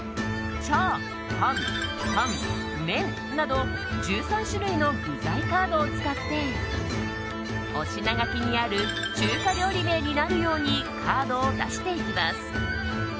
チャー、ハン、タン、メンなど１３種類の具材カードを使ってお品書きにある中華料理名になるようにカードを出していきます。